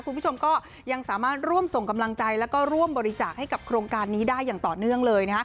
คุณผู้ชมก็ยังสามารถร่วมส่งกำลังใจแล้วก็ร่วมบริจาคให้กับโครงการนี้ได้อย่างต่อเนื่องเลย